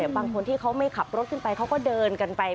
บางคนที่เขาไม่ขับรถขึ้นไปเขาก็เดินกันไป